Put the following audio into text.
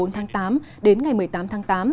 bốn tháng tám đến ngày một mươi tám tháng tám